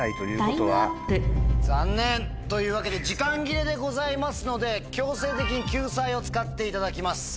タイムアップ残念！というわけで時間切れでございますので強制的に救済を使っていただきます。